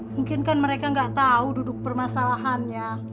mungkin kan mereka nggak tahu duduk permasalahannya